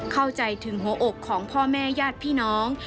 เข้าใจถึงหัวอกของพ่อแม่ญาติพี่น้อง